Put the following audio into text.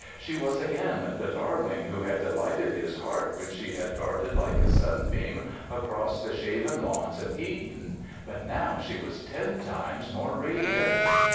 She was again the darling who had delighted his heart when she had darted like a sunbeam across the shaven lawns of Eden; but now she was ten times more radiant.